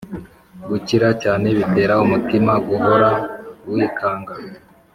gukira cyane bitera umutima guhora wikanga